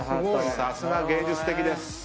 さすが芸術的です。